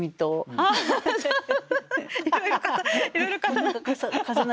いろいろ重なる。